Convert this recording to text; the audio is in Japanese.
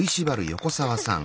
横澤さん。